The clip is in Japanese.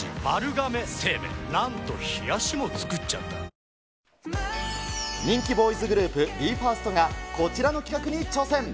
ｄプログラム」人気ボーイズグループ、ＢＥ：ＦＩＲＳＴが、こちらの企画に挑戦。